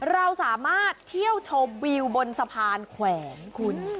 เราสามารถเที่ยวชมวิวบนสะพานแขวนคุณ